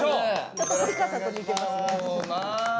ちょっと堀川さんと似てますね。